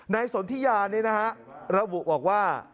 ในสนทิญานนี้นะครับระบุบอกว่า